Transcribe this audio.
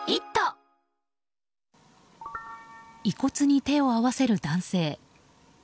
遺骨に手を合わせる男性。